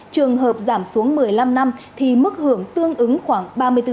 trường hợp giảm xuống một mươi năm năm thì mức hưởng tương ứng khoảng ba mươi bốn